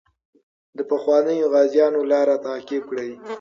د پخوانیو غازیانو لار تعقیب کړئ.